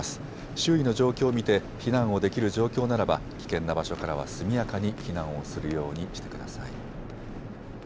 周囲の状況を見て避難をできる状況ならば危険な場所からは速やかに避難をするようにしてください。